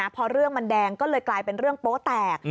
พอเรื่องมันแดงก็เลยกลายเป็นเรื่องโป๊แตก